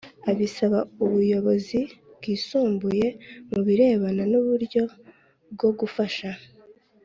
Abisaba ubuyobozi bwisumbuye mu birebana n’uburyo bwo gufasha